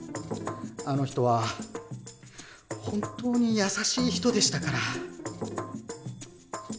あの人は本当に優しい人でしたから。